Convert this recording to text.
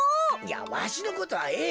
わしのことはええ。